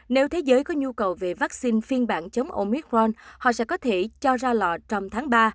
nếu thế giới có nhu cầu về vaccine phiên bản chống oicron họ sẽ có thể cho ra lò trong tháng ba